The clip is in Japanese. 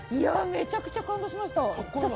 めちゃくちゃ感動しました。